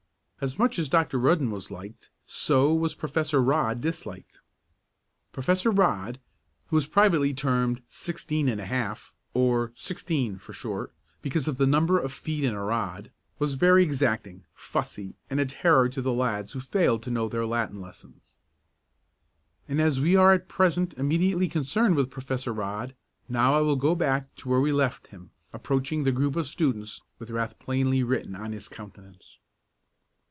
As much as Dr. Rudden was liked so was Professor Rodd disliked. Professor Rodd, who was privately termed "Sixteen and a Half" or "Sixteen" for short (because of the number of feet in a rod) was very exacting, fussy and a terror to the lads who failed to know their Latin lessons. And as we are at present immediately concerned with Professor Rodd, now I will go back to where we left him approaching the group of students, with wrath plainly written on his countenance.